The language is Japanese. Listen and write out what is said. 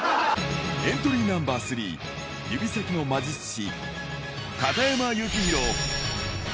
エントリーナンバー３、指先の魔術師、片山幸宏。